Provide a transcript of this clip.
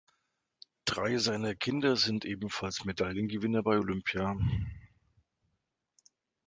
Drei seiner Kinder sind ebenfalls Medaillengewinner bei Olympia.